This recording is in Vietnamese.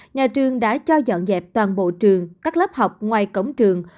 nhà trường đã cho dọn dẹp toàn bộ trường các lớp học ngoài cổng trường